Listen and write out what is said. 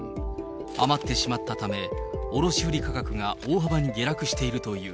余ってしまったため、卸売り価格が大幅に下落しているという。